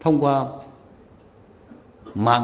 thông qua mạng